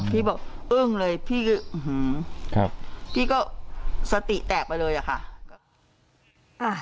พี่บอกเอิ่งเลยพี่ก็สติแตกไปเลยค่ะ